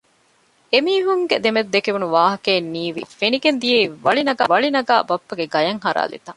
އެމީހުންގެ ދެމެދު ދެކެވުނު ވާހަކައެއް ނީވި އުޅެނިކޮށް ފެނިގެން ދިޔައީ ވަޅި ނަގާ ބައްޕަގެ ގަޔަށް ހަރާލި ތަން